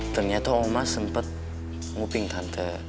ternyata oma sempet nguping tante